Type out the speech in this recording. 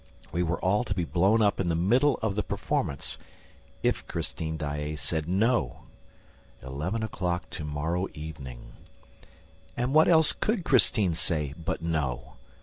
We were all to be blown up in the middle of the performance ... if Christine Daae said no! Eleven o'clock to morrow evening! ... And what else could Christine say but no?